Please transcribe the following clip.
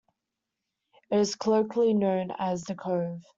It is colloquially known as "The Cove".